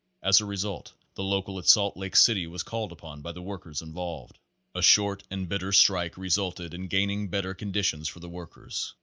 As a result, the local at Salt Lake City was called upon by the workers involved. A short and bit ter strike resulted in gaining better conditions for the workers.